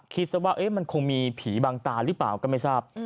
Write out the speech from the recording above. ซะว่ามันคงมีผีบางตาหรือเปล่าก็ไม่ทราบ